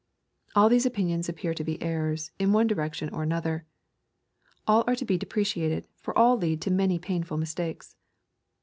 — All these opinions appear to be errors, in one direction or another. All are to be deprecated, for all lead to many painful mistakes.